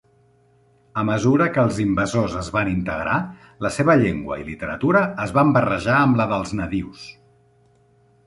A mesura que els invasors es van integrar, la seva llengua i literatura es van barrejar amb la dels nadius.